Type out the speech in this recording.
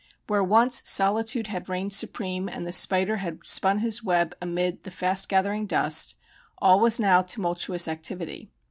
Where once solitude had reigned supreme and the spider had spun his web amid the fast gathering dust, all was now tumultuous activity.